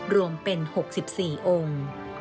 รวมเป็น๖๔องค์